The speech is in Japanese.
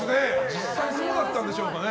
実際そうだったんでしょうかね。